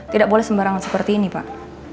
tidak boleh sembarangan seperti ini pak